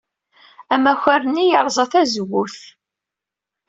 Amakar-nni yerẓa tazewwut.